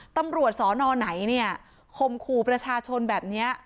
ตำรวจสอนอไหนเนี่ยคมขู่ประชาชนแบบนี้